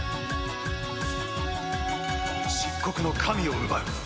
「漆黒の神を奪う。